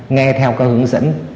nghe theo các hướng dẫn